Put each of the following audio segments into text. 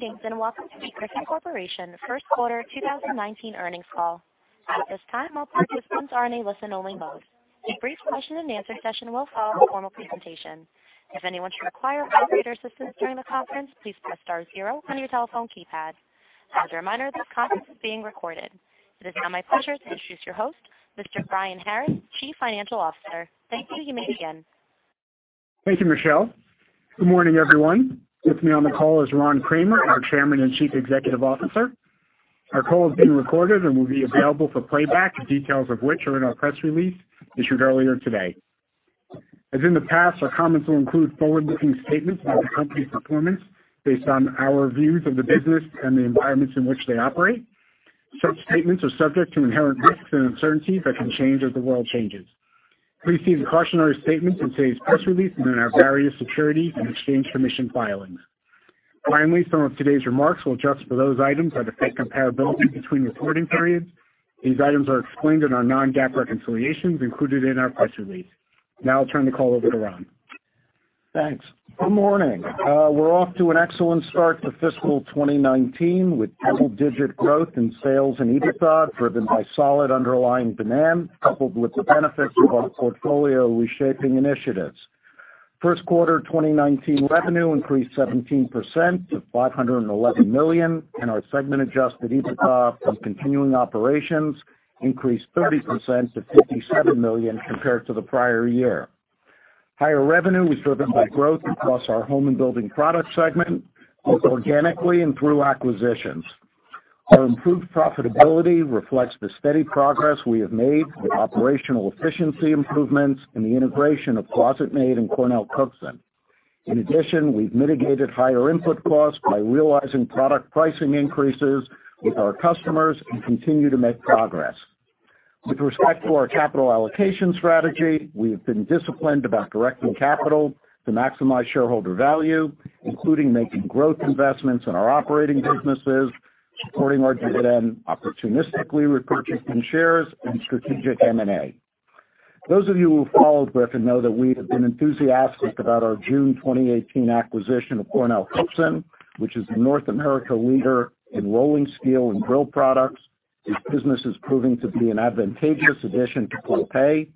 Greetings, and welcome to Griffon Corporation first quarter 2019 earnings call. At this time, all participants are in a listen-only mode. A brief question-and-answer session will follow the formal presentation. If anyone should require operator assistance during the conference, please press star zero on your telephone keypad. As a reminder, this conference is being recorded. It is now my pleasure to introduce your host, Mr. Brian Harris, Chief Financial Officer. Thank you. You may begin. Thank you, Michelle. Good morning, everyone. With me on the call is Ron Kramer, our Chairman and Chief Executive Officer. Our call is being recorded and will be available for playback, the details of which are in our press release issued earlier today. As in the past, our comments will include forward-looking statements about the company's performance based on our views of the business and the environments in which they operate. Such statements are subject to inherent risks and uncertainties that can change as the world changes. Please see the cautionary statements in today's press release and in our various Securities and Exchange Commission filings. Finally, some of today's remarks will adjust for those items that affect comparability between reporting periods. These items are explained in our non-GAAP reconciliations included in our press release. Now I'll turn the call over to Ron. Thanks. Good morning. We're off to an excellent start for fiscal 2019, with double-digit growth in sales and EBITDA, driven by solid underlying demand, coupled with the benefits of our portfolio reshaping initiatives. First quarter 2019 revenue increased 17% to $511 million, and our segment adjusted EBITDA from continuing operations increased 30% to $57 million compared to the prior year. Higher revenue was driven by growth across our Home & Garden business segment, both organically and through acquisitions. Our improved profitability reflects the steady progress we have made with operational efficiency improvements in the integration of ClosetMaid and CornellCookson. In addition, we've mitigated higher input costs by realizing product pricing increases with our customers and continue to make progress. With respect to our capital allocation strategy, we have been disciplined about directing capital to maximize shareholder value, including making growth investments in our operating businesses, supporting our dividend, opportunistically repurchasing shares, and strategic M&A. Those of you who have followed Griffon know that we have been enthusiastic about our June 2018 acquisition of CornellCookson, which is a North America leader in rolling steel and grill products. This business is proving to be an advantageous addition to Clopay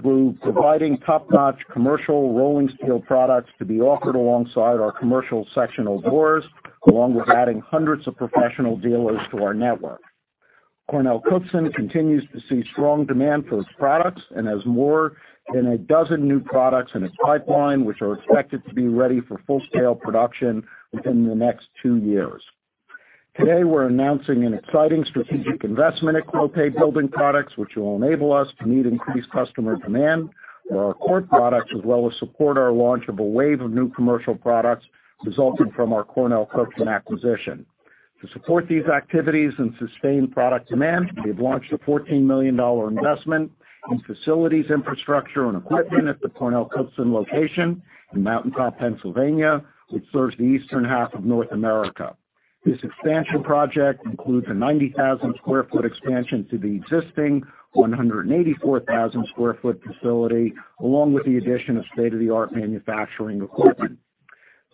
through providing top-notch commercial rolling steel products to be offered alongside our commercial sectional doors, along with adding hundreds of professional dealers to our network. CornellCookson continues to see strong demand for its products and has more than a dozen new products in its pipeline, which are expected to be ready for full-scale production within the next two years. Today, we're announcing an exciting strategic investment at Clopay Building Products, which will enable us to meet increased customer demand for our core products, as well as support our launch of a wave of new commercial products resulting from our CornellCookson acquisition. To support these activities and sustain product demand, we have launched a $14 million investment in facilities, infrastructure, and equipment at the CornellCookson location in Mountain Top, Pennsylvania, which serves the eastern half of North America. This expansion project includes a 90,000 square foot expansion to the existing 184,000 square foot facility, along with the addition of state-of-the-art manufacturing equipment.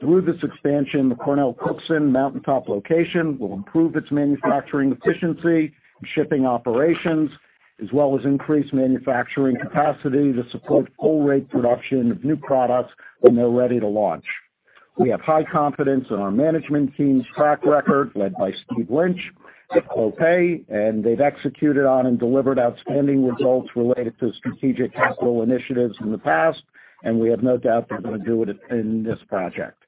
Through this expansion, the CornellCookson Mountain Top location will improve its manufacturing efficiency and shipping operations, as well as increase manufacturing capacity to support full-rate production of new products when they're ready to launch. We have high confidence in our management team's track record, led by Steve Lynch of Clopay, they've executed on and delivered outstanding results related to strategic capital initiatives in the past, we have no doubt they're going to do it in this project.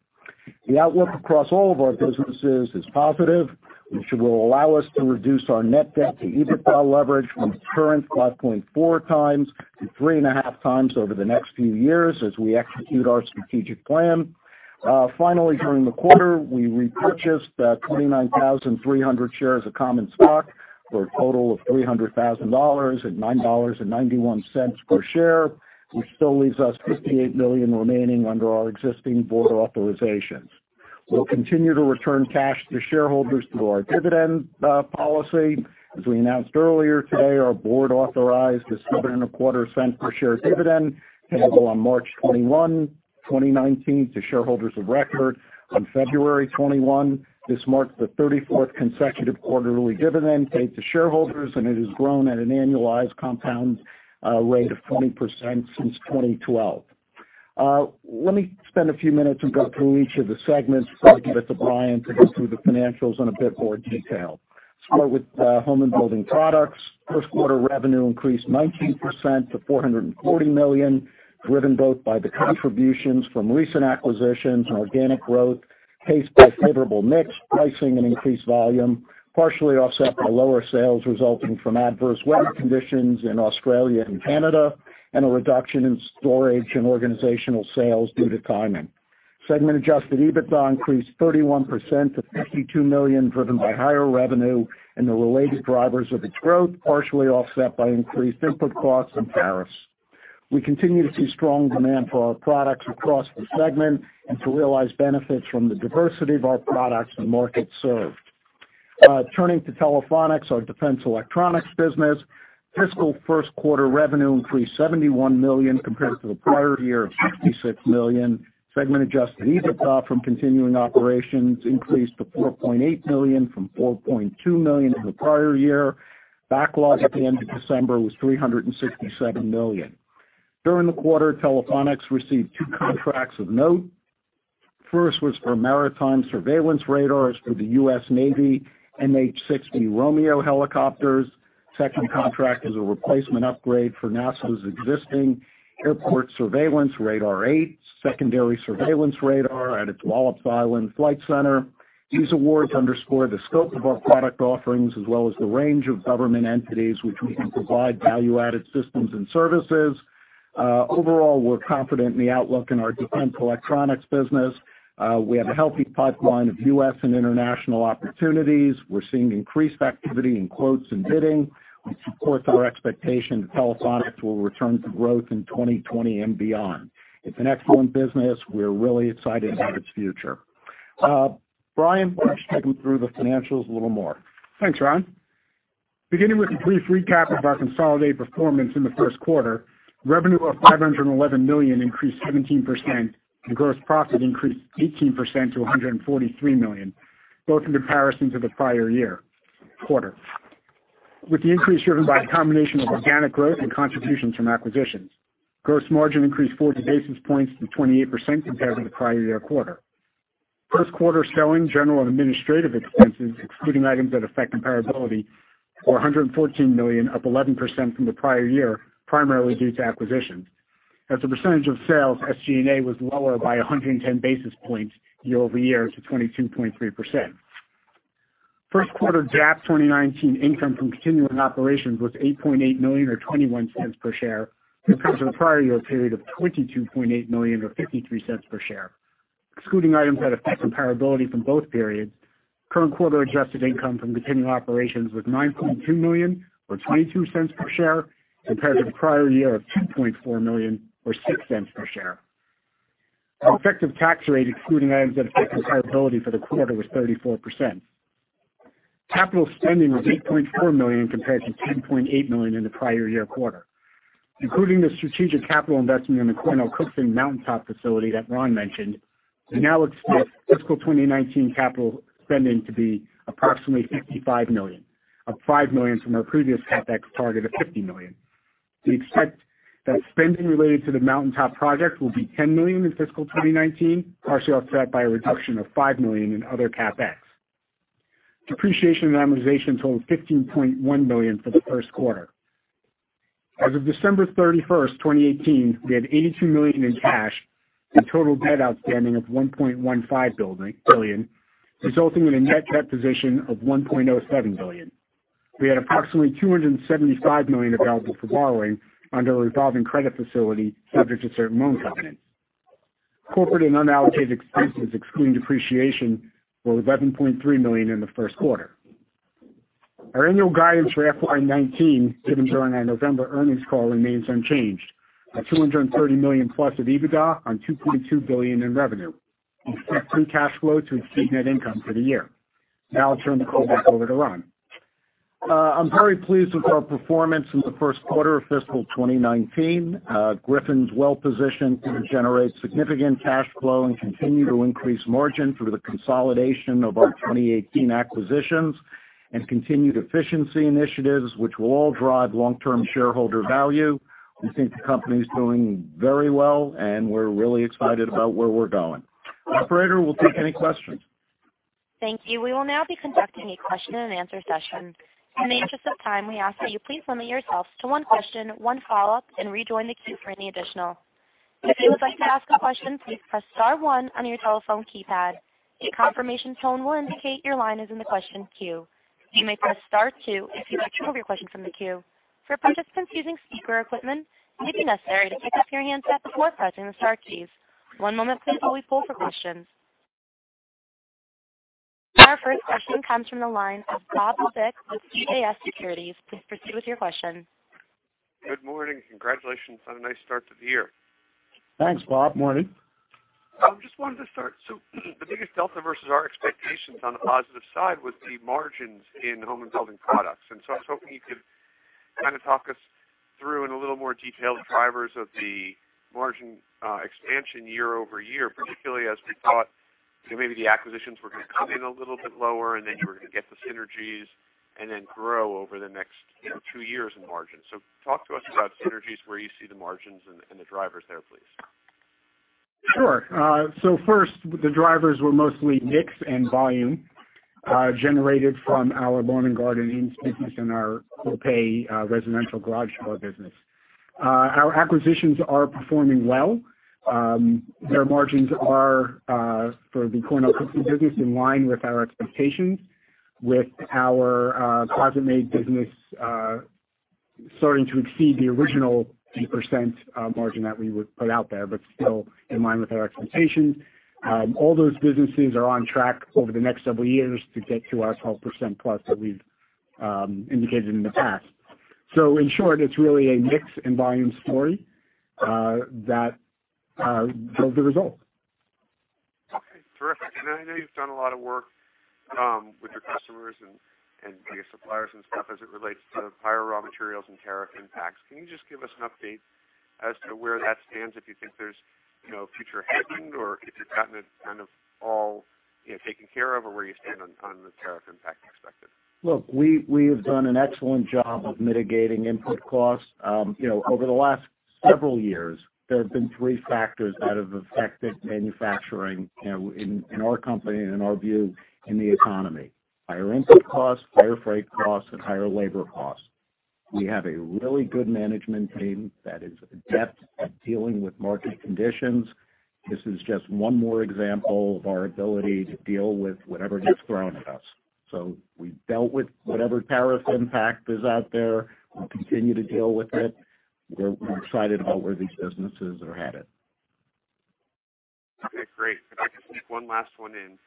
The outlook across all of our businesses is positive, which will allow us to reduce our net debt to EBITDA leverage from the current 5.4 times to 3.5 times over the next few years as we execute our strategic plan. Finally, during the quarter, we repurchased 29,300 shares of common stock for a total of $300,000 at $9.91 per share, which still leaves us $58 million remaining under our existing board authorizations. We'll continue to return cash to shareholders through our dividend policy. As we announced earlier today, our board authorized a seven and a quarter cent per share dividend payable on March 21, 2019, to shareholders of record on February 21. This marks the 34th consecutive quarterly dividend paid to shareholders, it has grown at an annualized compound rate of 20% since 2012. Let me spend a few minutes and go through each of the segments before I give it to Brian to go through the financials in a bit more detail. Start with Home and Building Products. First quarter revenue increased 19% to $440 million, driven both by the contributions from recent acquisitions and organic growth, paced by favorable mix, pricing, and increased volume, partially offset by lower sales resulting from adverse weather conditions in Australia and Canada, a reduction in storage and organizational sales due to timing. Segment adjusted EBITDA increased 31% to $52 million, driven by higher revenue and the related drivers of its growth, partially offset by increased input costs and tariffs. We continue to see strong demand for our products across the segment to realize benefits from the diversity of our products and markets served. Turning to Telephonics, our defense electronics business, fiscal first quarter revenue increased $71 million compared to the prior year of $66 million. Segment adjusted EBITDA from continuing operations increased to $4.8 million from $4.2 million in the prior year. Backlog at the end of December was $367 million. During the quarter, Telephonics received two contracts of note. First was for maritime surveillance radars for the US Navy MH-60R Romeo helicopters. Second contract is a replacement upgrade for NASA's existing airport surveillance radar 8, secondary surveillance radar at its Wallops Island Flight Center. These awards underscore the scope of our product offerings as well as the range of government entities which we can provide value-added systems and services. Overall, we're confident in the outlook in our defense electronics business. We have a healthy pipeline of U.S. and international opportunities. We're seeing increased activity in quotes and bidding, which supports our expectation that Telephonics will return to growth in 2020 and beyond. It's an excellent business. We're really excited about its future. Brian, why don't you take you through the financials a little more. Thanks, Ron. Beginning with a brief recap of our consolidated performance in the first quarter, revenue of $511 million increased 17%, and gross profit increased 18% to $143 million, both in comparison to the prior year quarter. With the increase driven by a combination of organic growth and contributions from acquisitions. Gross margin increased 40 basis points to 28% compared to the prior year quarter. First quarter selling, general, and administrative expenses, excluding items that affect comparability, were $114 million, up 11% from the prior year, primarily due to acquisitions. As a percentage of sales, SG&A was lower by 110 basis points year-over-year to 22.3%. First quarter GAAP 2019 income from continuing operations was $8.8 million or $0.21 per share compared to the prior year period of $22.8 million or $0.53 per share. Excluding items that affect comparability from both periods, current quarter adjusted income from continuing operations was $9.2 million or $0.22 per share compared to the prior year of $2.4 million or $0.06 per share. Our effective tax rate, excluding items that affect comparability for the quarter, was 34%. Capital spending was $8.4 million compared to $10.8 million in the prior year quarter. Including the strategic capital investment in the CornellCookson Mountain Top facility that Ron mentioned, we now expect fiscal 2019 capital spending to be approximately $55 million, up $5 million from our previous CapEx target of $50 million. We expect that spending related to the mountaintop project will be $10 million in fiscal 2019, partially offset by a reduction of $5 million in other CapEx. Depreciation and amortization totaled $15.1 million for the first quarter. As of December 31st, 2018, we had $82 million in cash and total debt outstanding of $1.15 billion, resulting in a net debt position of $1.07 billion. We had approximately $275 million available for borrowing under a revolving credit facility subject to certain loan covenants. Corporate and unallocated expenses excluding depreciation were $11.3 million in the first quarter. Our annual guidance for FY 2019 given during our November earnings call remains unchanged, at $230 million plus of EBITDA on $2.2 billion in revenue. We expect free cash flow to exceed net income for the year. Now I'll turn the call back over to Ron. I'm very pleased with our performance in the first quarter of fiscal 2019. Griffon's well positioned to generate significant cash flow and continue to increase margin through the consolidation of our 2018 acquisitions and continued efficiency initiatives, which will all drive long-term shareholder value. We think the company's doing very well, and we're really excited about where we're going. Operator, we'll take any questions. Thank you. We will now be conducting a question and answer session. In the interest of time, we ask that you please limit yourselves to one question, one follow-up, and rejoin the queue for any additional. If you would like to ask a question, please press star one on your telephone keypad. A confirmation tone will indicate your line is in the question queue. You may press star two if you'd like to remove your question from the queue. For participants using speaker equipment, it may be necessary to pick up your handset before pressing the star keys. One moment please while we poll for questions. Our first question comes from the line of Bob Labick with CJS Securities. Please proceed with your question. Good morning. Congratulations on a nice start to the year. Thanks, Bob. Morning. I just wanted to start. The biggest delta versus our expectations on the positive side was the margins in Home and Building Products. I was hoping you could kind of talk us through in a little more detail the drivers of the margin expansion year-over-year, particularly as we thought that maybe the acquisitions were going to come in a little bit lower and then you were going to get the synergies and then grow over the next 2 years in margin. Talk to us about synergies, where you see the margins and the drivers there, please. Sure. First, the drivers were mostly mix and volume generated from our Home & Garden business and our Clopay residential garage door business. Our acquisitions are performing well. Their margins are, for the CornellCookson business, in line with our expectations, with our ClosetMaid business starting to exceed the original 8% margin that we would put out there, but still in line with our expectations. All those businesses are on track over the next several years to get to our 12% plus that we've indicated in the past. In short, it's really a mix and volume story that drove the result. Okay, terrific. I know you've done a lot of work with your customers and your suppliers and stuff as it relates to higher raw materials and tariff impacts. Can you just give us an update as to where that stands, if you think there's future hedging, or if you've gotten it all taken care of or where you stand on the tariff impact expected? Look, we have done an excellent job of mitigating input costs. Over the last several years, there have been 3 factors that have affected manufacturing in our company and in our view, in the economy. Higher input costs, higher freight costs, and higher labor costs. We have a really good management team that is adept at dealing with market conditions. This is just one more example of our ability to deal with whatever gets thrown at us. We've dealt with whatever tariff impact is out there. We'll continue to deal with it. We're excited about where these businesses are headed. Okay, great. If I could sneak one last one in.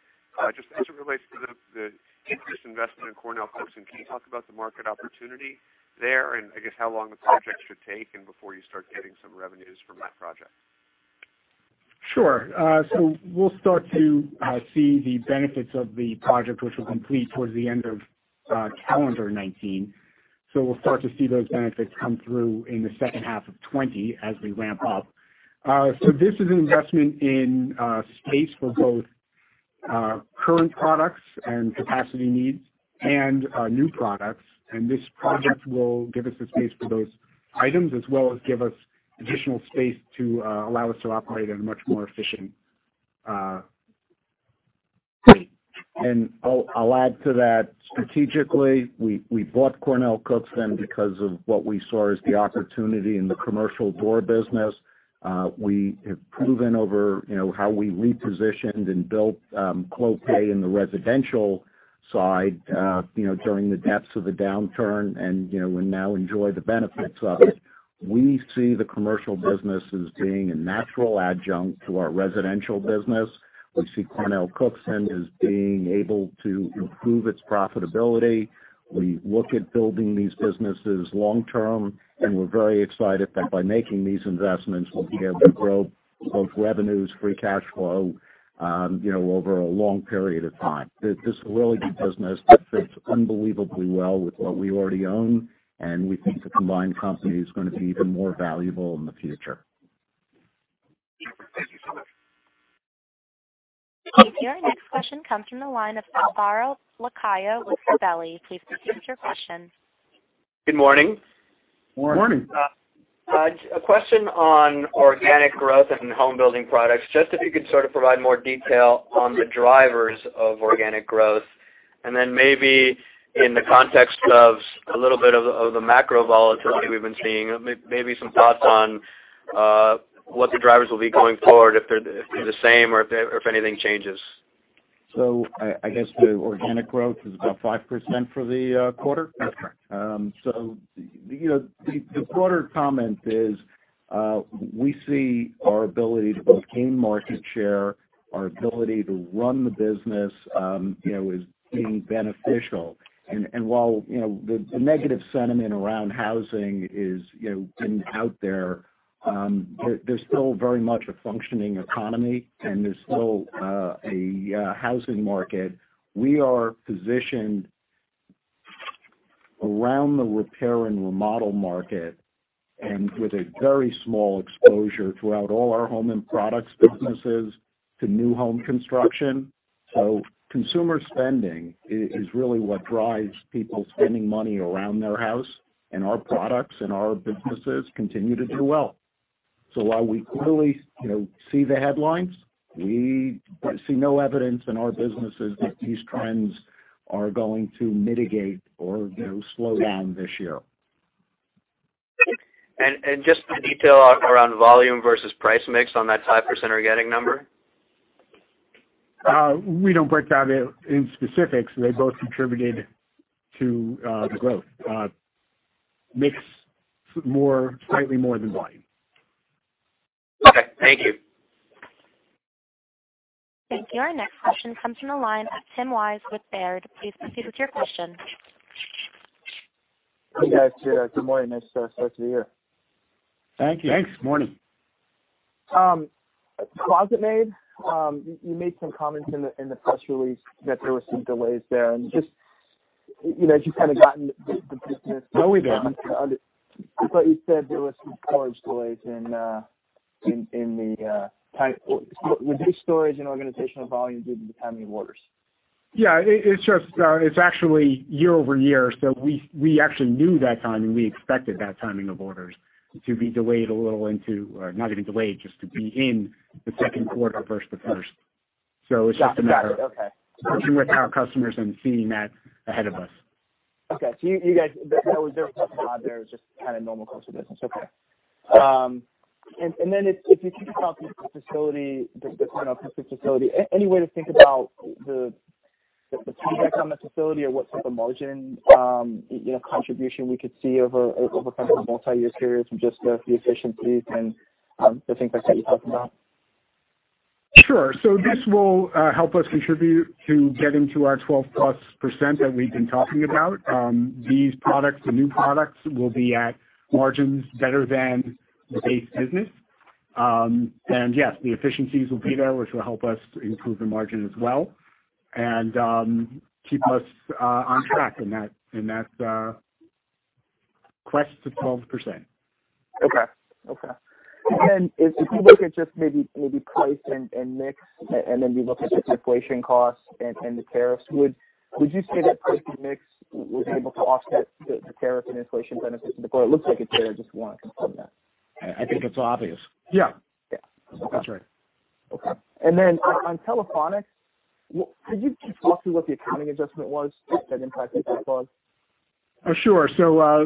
Just as it relates to the increased investment in CornellCookson, can you talk about the market opportunity there? I guess how long the project should take and before you start getting some revenues from that project? Sure. We'll start to see the benefits of the project, which will complete towards the end of calendar 2019. We'll start to see those benefits come through in the second half of 2020 as we ramp up. This is an investment in space for both current products and capacity needs and new products. This project will give us the space for those items, as well as give us additional space to allow us to operate in a much more efficient way. I'll add to that. Strategically, we bought CornellCookson because of what we saw as the opportunity in the commercial door business. We have proven over how we repositioned and built Clopay in the residential side during the depths of the downturn and we now enjoy the benefits of it. We see the commercial business as being a natural adjunct to our residential business. We see CornellCookson as being able to improve its profitability. We look at building these businesses long term, we're very excited that by making these investments, we'll be able to grow both revenues, free cash flow, over a long period of time. This is really good business that fits unbelievably well with what we already own, we think the combined company is going to be even more valuable in the future. Thank you so much. Okay. Your next question comes from the line of Alvaro Lacayo with Gabelli. Please proceed with your question. Good morning. Morning. Morning. A question on organic growth and Home & Garden business, just if you could sort of provide more detail on the drivers of organic growth, then maybe in the context of a little bit of the macro volatility we've been seeing, maybe some thoughts on what the drivers will be going forward, if they're the same or if anything changes. I guess the organic growth is about 5% for the quarter? That's correct. The broader comment is, we see our ability to both gain market share, our ability to run the business, is being beneficial. While the negative sentiment around housing has been out there's still very much a functioning economy and there's still a housing market. We are positioned around the repair and remodel market and with a very small exposure throughout all our home and products businesses to new home construction. Consumer spending is really what drives people spending money around their house, and our products and our businesses continue to do well. While we clearly see the headlines, we see no evidence in our businesses that these trends are going to mitigate or slow down this year. Just the detail around volume versus price mix on that 5% organic number? We don't break out in specifics. They both contributed to the growth. Mix slightly more than volume. Okay. Thank you. Thank you. Our next question comes from the line of Tim Wojs with Baird. Please proceed with your question. Hey, guys. Good morning. Nice start to the year. Thank you. Thanks. Morning. ClosetMaid, you made some comments in the press release that there were some delays there, and just as you've kind of gotten the business. No, we didn't. I thought you said there were some storage delays. Were these storage and organizational volumes due to the timing of orders? Yeah, it's actually year-over-year. We actually knew that timing. We expected that timing of orders to be delayed a little, or not even delayed, just to be in the second quarter versus the first. It's just a matter- Got it. Okay. Working with our customers and seeing that ahead of us. Okay. You guys, there was a bump on there, it's just kind of normal course of business. Okay. If you could talk to me about the facility, the CornellCookson facility. Any way to think about the payback on that facility, or what type of margin contribution we could see over kind of a multiyear period from just the efficiencies and the things like that you talked about? Sure. This will help us contribute to getting to our 12%+ that we've been talking about. These products, the new products, will be at margins better than the base business. Yes, the efficiencies will be there, which will help us improve the margin as well and keep us on track in that quest to 12%. Okay. If we look at just maybe price and mix, then we look at just inflation costs and the tariffs, would you say that price and mix was able to offset the tariff and inflation benefits to the quarter? It looks like it did. I just want to confirm that. I think it's obvious. Yeah. Yeah. That's right. Okay. On Telephonics, could you talk through what the accounting adjustment was that impacted that quarter? Sure.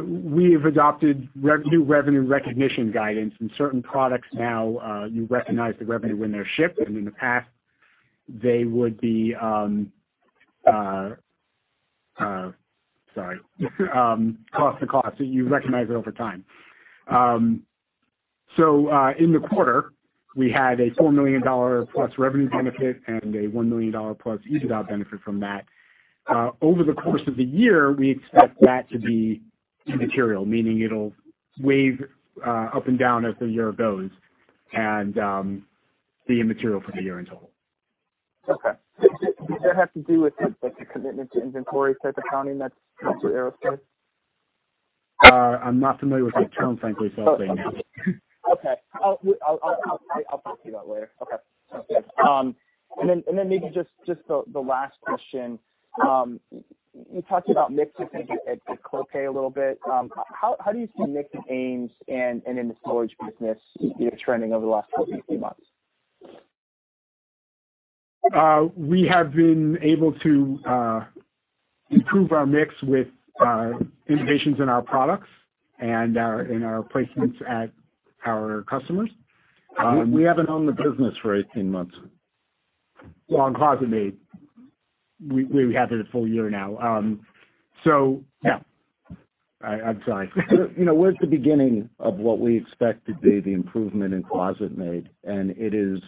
We've adopted new revenue recognition guidance in certain products now. You recognize the revenue when they're shipped. In the past, they would be, sorry, cost-to-cost. You recognize it over time. In the quarter, we had a $4 million+ revenue benefit and a $1 million+ EBITDA benefit from that. Over the course of the year, we expect that to be immaterial, meaning it'll wave up and down as the year goes and be immaterial for the year in total. Okay. Did that have to do with the commitment to inventory type accounting that's come through aerospace? I'm not familiar with the term, frankly, so I'll say no. Okay. I'll talk to you about it later. Okay. Sounds good. Maybe just the last question. You talked about mix, I think, at Clopay a little bit. How do you see mix in AMES and in the storage business either trending over the last 12, 18 months? We have been able to improve our mix with innovations in our products and in our placements at our customers. We haven't owned the business for 18 months. Well, in ClosetMaid, we have it a full year now. Yeah. I'm sorry. We're at the beginning of what we expect to be the improvement in ClosetMaid. It is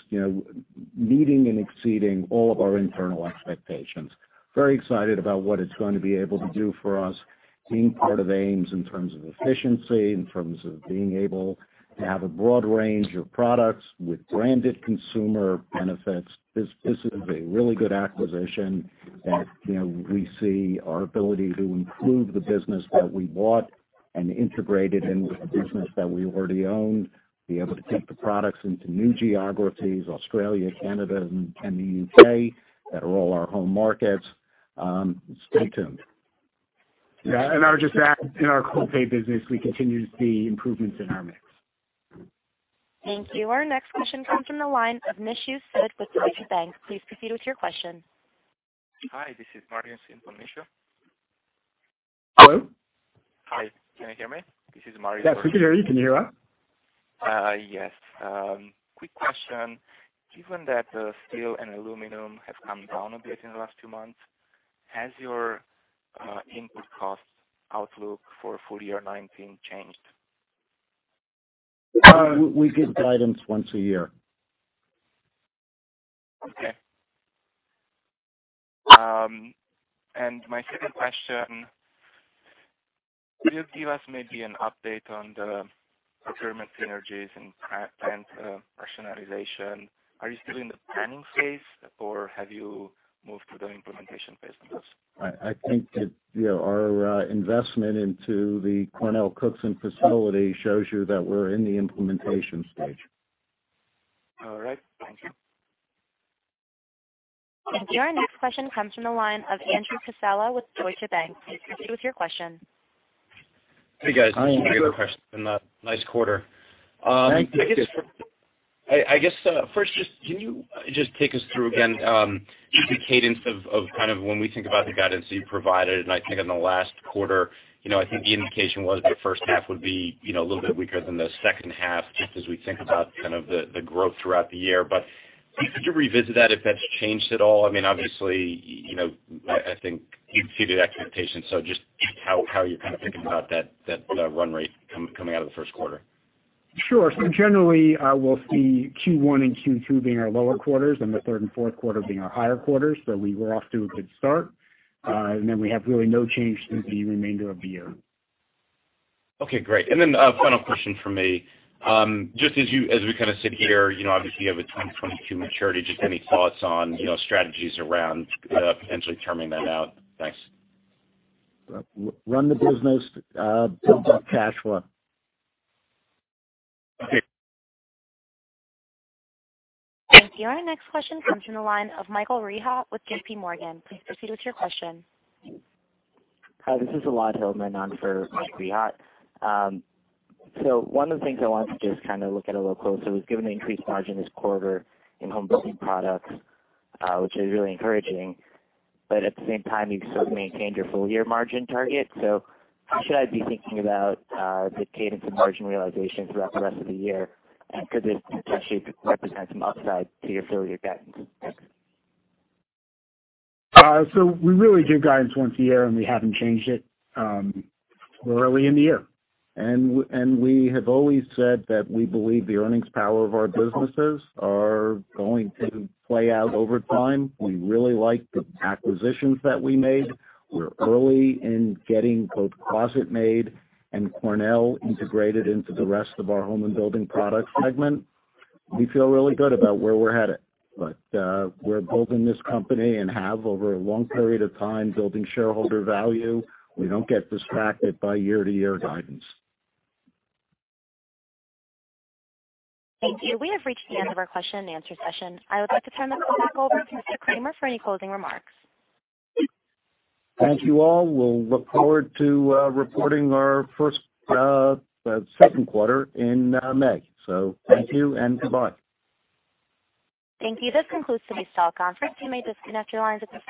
meeting and exceeding all of our internal expectations. Very excited about what it's going to be able to do for us, being part of AMES in terms of efficiency, in terms of being able to have a broad range of products with branded consumer benefits. This is a really good acquisition that we see our ability to improve the business that we bought and integrate it into the business that we already own, be able to take the products into new geographies, Australia, Canada, and the U.K., that are all our home markets. Stay tuned. Yeah. I would just add, in our Clopay business, we continue to see improvements in our mix. Thank you. Our next question comes from the line of Nishu Sood with Deutsche Bank. Please proceed with your question. Hi, this is Marius in for Nishu. Hello? Hi, can you hear me? This is Marius. Yes, we can hear you. Can you hear us? Yes. Quick question. Given that steel and aluminum have come down a bit in the last two months, has your input cost outlook for full year 2019 changed? We give guidance once a year. My second question, could you give us maybe an update on the procurement synergies and plant rationalization? Are you still in the planning phase, or have you moved to the implementation phase on this? I think that our investment into the CornellCookson facility shows you that we're in the implementation stage. All right. Thank you. Our next question comes from the line of Andrew Casella with Deutsche Bank. Please proceed with your question. Hey, guys. Hi, Andrew. Nice quarter. Thank you. I guess, first, can you just take us through again the cadence of kind of when we think about the guidance that you provided, and I think in the last quarter, I think the indication was that first half would be a little bit weaker than the second half, just as we think about kind of the growth throughout the year. Could you revisit that, if that's changed at all? I mean, obviously, I think you've exceeded expectations, so just how you're kind of thinking about that run rate coming out of the first quarter. Sure. Generally, we'll see Q1 and Q2 being our lower quarters and the third and fourth quarter being our higher quarters. We were off to a good start. We have really no change through the remainder of the year. Okay, great. A final question from me. Just as we kind of sit here, obviously you have a 2022 maturity, just any thoughts on strategies around potentially terming that out? Thanks. Run the business, build up cash flow. Okay. Our next question comes from the line of Michael Rehaut with JPMorgan. Please proceed with your question. Hi, this is Elad Hillman on for Mike Rehaut. One of the things I wanted to just kind of look at a little closer was given the increased margin this quarter in Home and Building Products, which is really encouraging, but at the same time, you've still maintained your full-year margin target. How should I be thinking about the cadence in margin realization throughout the rest of the year? Could this potentially represent some upside to your full-year guidance? We really do guidance once a year, and we haven't changed it. We're early in the year. We have always said that we believe the earnings power of our businesses are going to play out over time. We really like the acquisitions that we made. We're early in getting both ClosetMaid and Cornell integrated into the rest of our Home and Building Products segment. We feel really good about where we're headed. We're building this company, and have over a long period of time, building shareholder value. We don't get distracted by year-to-year guidance. Thank you. We have reached the end of our question and answer session. I would like to turn the call back over to Mr. Kramer for any closing remarks. Thank you all. We'll look forward to reporting our second quarter in May. Thank you and goodbye. Thank you. This concludes today's call conference. You may disconnect your lines at this time.